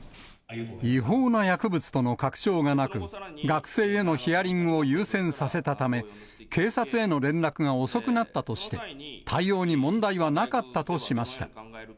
違法な薬物との確証がなく、学生へのヒアリングを優先させたため、警察への連絡が遅くなったとして、対応に問題はなかったとしました。